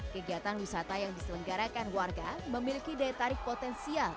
kegiatan wisata yang diselenggarakan warga memiliki daya tarik potensial